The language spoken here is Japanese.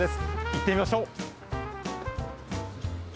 行ってみましょう。